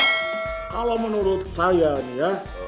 kalau menurut saya nih ya